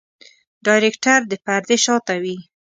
ډايرکټر د پردې شاته وي.